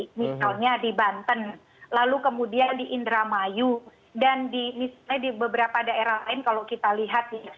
misalnya di banten lalu kemudian di indramayu dan misalnya di beberapa daerah lain kalau kita lihat ya